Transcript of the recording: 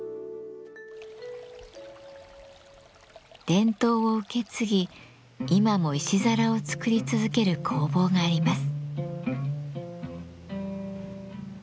伝統を受け継ぎ今も石皿を作り続ける工房があります。